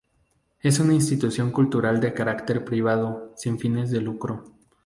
Es una institución cultural de carácter privado, sin fines de lucro.